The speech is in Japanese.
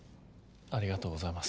ありがとうございます。